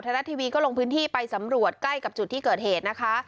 รัฐทีวีก็ลงพื้นที่ไปสำรวจใกล้กับจุดที่เกิดเหตุนะคะ